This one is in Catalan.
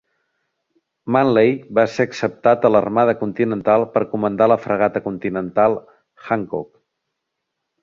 Manley va ser acceptat a l'Armada Continental per comandar la fragata continental "Hancock".